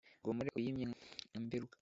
ngo mpore uyimye nka mberuka.